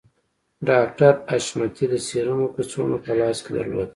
ډاکټر حشمتي د سيرومو کڅوړه په لاس کې درلوده